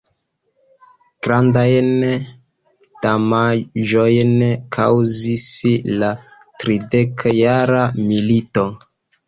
Grandajn damaĝojn kaŭzis la Tridekjara milito.